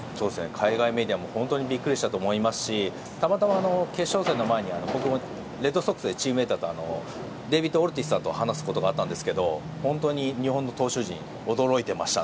海外メディアもビックリしたと思いますしたまたま、決勝戦の前に僕もレッドソックスでチームメートだったデビッド・ウォルティスさんと話すことがあったんですが本当に日本の投手陣に驚いていました。